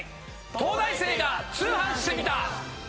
『東大生が通販してみた！！』。